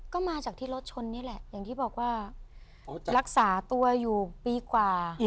ก็มาจากที่รถชนนี่แหละอย่างที่บอกว่ารักษาตัวอยู่ปีกว่า